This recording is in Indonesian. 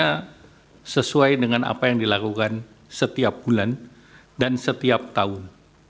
karena sesuai dengan apa yang dilakukan setiap bulan dan setiap tahun